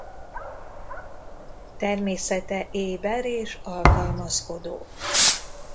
Természete éber és alkalmazkodó.